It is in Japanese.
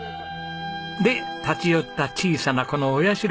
で立ち寄った小さなこのお社。